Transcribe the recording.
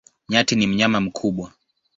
Nyati ni mnyama mkubwa.